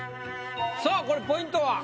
さあこれポイントは？